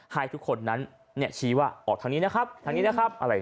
ไฟทุกค้นนั้นชี้ว่าออกทางนี้นะครับ